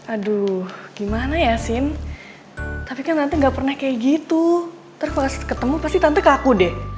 aduh gimana ya sini tapi kan tante gak pernah kaya gitu ntar kalo ketemu pasti tante kaku deh